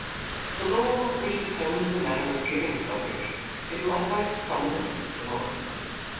» The law which determines the manner of giving fuffrage, is likewife fundamental in ^ democracy.